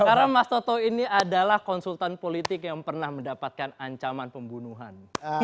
karena mas toto ini adalah konsultan politik yang pernah mendapatkan ancaman pembunuhan